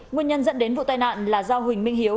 nguyên nhân dẫn đến vụ tai nạn là do huỳnh minh hiếu